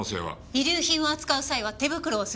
遺留品を扱う際は手袋をするはずです。